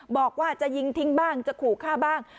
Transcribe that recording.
บอกว่าจะยิงทิ้งบ้างจะขู่ฆ่าบ้าง